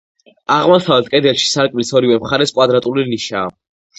აღმოსავლეთ კედელში, სარკმლის ორივე მხარეს კვადრატული ნიშაა.